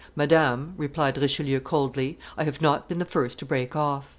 "Madam," replied Richelieu coldly, "I have not been the first to break off."